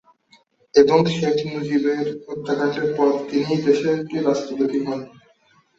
এবং শেখ মুজিবের হত্যাকান্ডের পর তিনিই দেশটির রাষ্ট্রপতি হন।